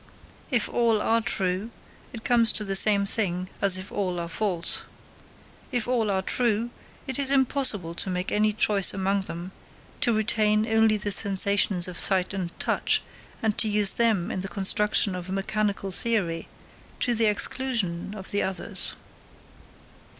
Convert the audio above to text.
If all are true, it comes to the same thing as if all are false. If all are true, it is impossible to make any choice among them, to retain only the sensations of sight and touch, and to use them in the construction of a mechanical theory, to the exclusion of the others.